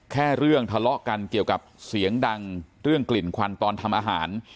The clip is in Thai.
แค่เรื่องทะเลาะกันเกี่ยวกับเสียงดังเรื่องกลิ่นควันตอนทำอาหาร